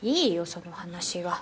その話は。